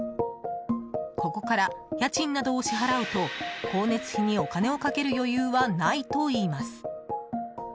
ここから家賃などを支払うと光熱費にお金をかける余裕はないといいます。